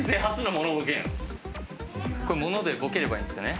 「モノでボケればいいんですよね」。